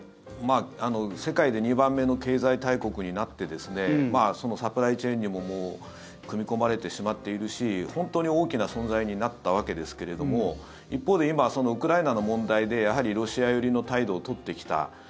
世界で２番目の経済大国になってサプライチェーンにも組み込まれてしまっているし本当に大きな存在になったわけですけれども一方で今、ウクライナの問題でロシア寄りの態度を取ってきた。